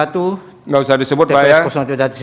tps satu dan seterusnya